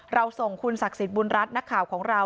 เราส่งคุณศักดิ์สิทธิ์บุญรัฐนักข่าวของเรา